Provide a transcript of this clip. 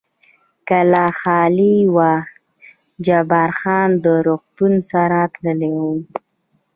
کلا خالي وه، جبار خان د روغتون سره تللی و.